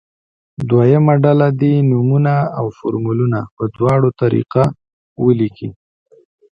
دویمه ډله دې نومونه او فورمولونه په دواړو طریقه ولیکي.